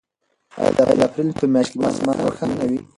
آیا د اپریل په میاشت کې به اسمان روښانه وي؟